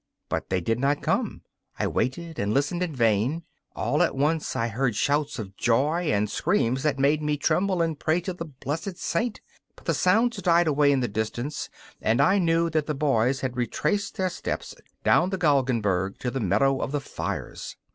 But they did not come. I waited and listened in vain. All at once I heard shouts of joy and screams that made me tremble and pray to the blessed Saint. But the sounds died away in the distance, and I knew that the boys had retraced their steps down the Galgenberg to the meadow of the fires.